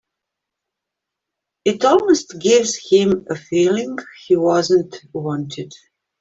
It almost gives him a feeling he wasn't wanted.